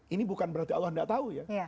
ini bukan berarti allah gak tau ya